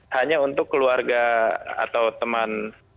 hanya untuk keluarga atau teman